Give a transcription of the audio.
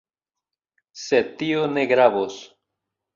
Sed tio ne gravos.